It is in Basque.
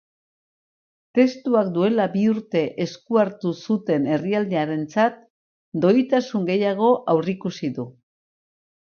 Testuak duela bi urte esku hartu zuten herrialdearentzat doitasun gehiago aurreikusi du.